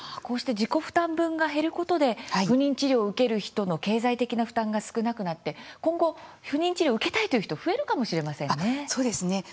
こうして自己負担分が減ることで不妊治療を受ける人の経済的な負担が少なくなって今後、不妊治療を受けたいという人増えるかもしれませんね。